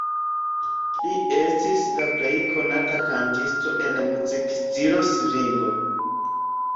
Li estis la plej konata kantisto en muzikstilo svingo.